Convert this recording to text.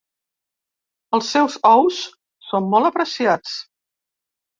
Els seus ous són molt apreciats.